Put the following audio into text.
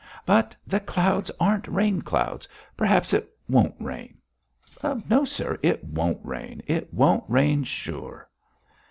"But the clouds aren't rain clouds. Perhaps it won't rain." "No, sir. It won't rain. It won't rain, sure."